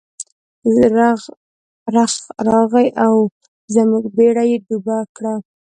رخ راغی او زموږ بیړۍ یې ډوبه کړه.